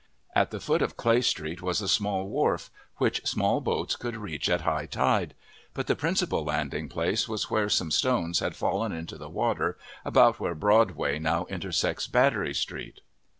At the foot of Clay Street was a small wharf which small boats could reach at high tide; but the principal landing place was where some stones had fallen into the water, about where Broadway now intersects Battery Street.